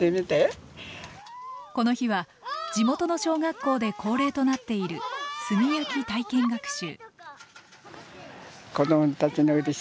この日は地元の小学校で恒例となっている炭焼き体験学習。